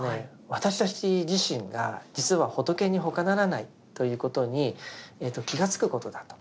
私たち自身が実は仏にほかならないということに気が付くことだと。